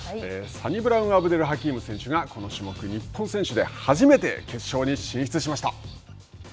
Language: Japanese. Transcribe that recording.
サニブラウンアブデルハキーム選手がこの種目、日本選手で初めて決勝に進出しました。